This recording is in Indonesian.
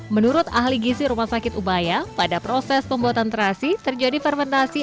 menurut ahli gisi rumah sakit ubaya pada proses pembuatan terasi terjadi fermentasi